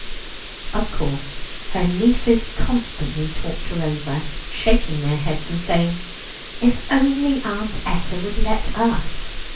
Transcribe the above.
Of course, her nieces constantly talked her over, shaking their heads and saying: "If only Aunt Etta would let us."